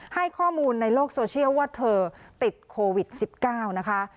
ให้ข้อมูลในโลกโซเชียลว่าเธอติดโควิด๑๙นะคะ